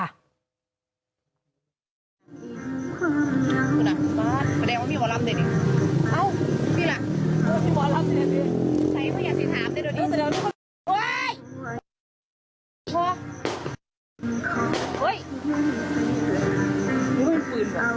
แปดแปดแดงว่ามีวารัมต์ได้ดิเอ้านี่ล่ะว่ามีวารัมต์